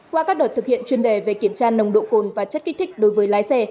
qua các đợt thực hiện chuyên đề về kiểm tra nồng độ cồn và chất kích thích đối với lái xe